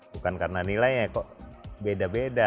bukan karena nilainya kok beda beda